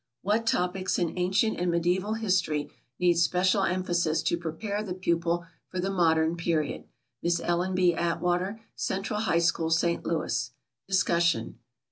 "What Topics in Ancient and Mediæval History Need Special Emphasis to Prepare the Pupil for the Modern Period?" Miss Ellen B. Atwater, Central High School, St. Louis. Discussion.